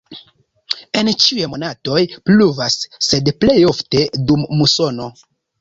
En ĉiuj monatoj pluvas, sed plej ofte dum musono.